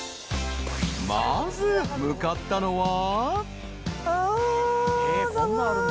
［まず向かったのは］